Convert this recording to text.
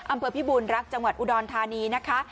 อำเภอพิบูรณรักจังหวัดอุดรธานีนะคะ